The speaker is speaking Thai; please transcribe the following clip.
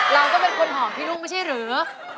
เราก็เป็นคนหอมพี่รุ่งไม่ใช่หรือ